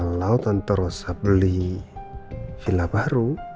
kalau tante rosa beli villa baru